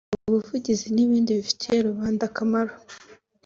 ubuvuzi n’ibindi bifitiye rubanda akamaro